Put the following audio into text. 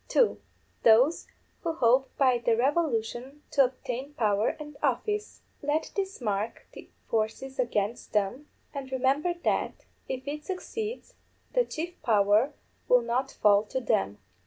_ (2) _Those who hope by the revolution to obtain power and office. Let these mark the forces against them, and remember that, if it succeeds, the chief power will not fall to them.